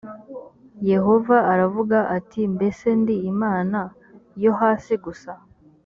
yehova aravuga ati “mbese ndi imana yo hasi gusa?”